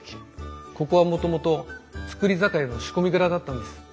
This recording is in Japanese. ここはもともと造り酒屋の仕込み蔵だったんです。